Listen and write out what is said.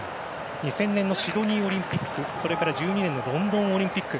２０００年のシドニーオリンピックそれから、２０１２年のロンドンオリンピック。